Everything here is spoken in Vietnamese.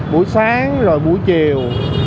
buổi sáng rồi buổi chiều